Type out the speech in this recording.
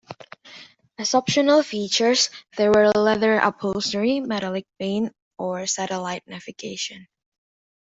As optional features there were leather upholstery, metallic paint or satellite navigation.